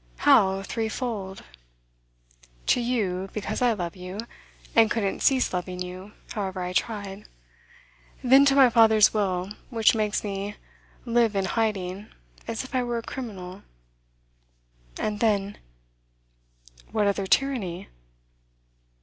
'How threefold?' 'To you, because I love you, and couldn't cease loving you, however I tried. Then, to my father's will, which makes me live in hiding, as if I were a criminal. And then ' 'What other tyranny?